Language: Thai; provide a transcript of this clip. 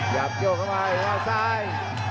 หยับโยกเข้าไปวางซ้าย